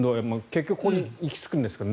結局、ここに行き着くんですね。